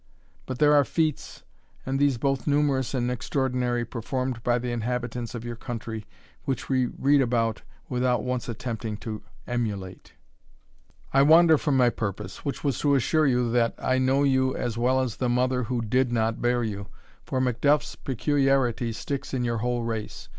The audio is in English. But there are feats, and these both numerous and extraordinary, performed by the inhabitants of your country, which we read without once attempting to emulate. I wander from my purpose, which was to assure you, that I know you as well as the mother who did not bear you, for MacDuff's peculiarity sticks to your whole race.